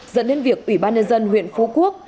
dẫn đến việc ubnd huyện phú quốc